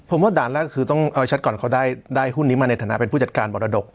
ถ้าตอนนั้นก็จะต้องเอาชัดก่อนเขาได้ได้หุ้นนี้มาในฐานะเป็นผู้จัดการมรดก